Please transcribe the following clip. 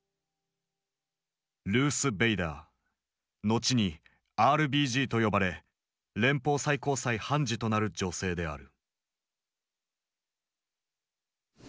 後に「ＲＢＧ」と呼ばれ連邦最高裁判事となる女性である。